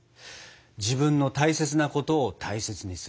自分の大切なことを大切にする。